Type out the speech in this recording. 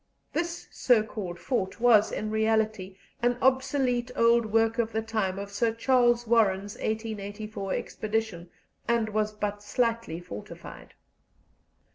This so called fort was in reality an obsolete old work of the time of Sir Charles Warren's 1884 expedition, and was but slightly fortified.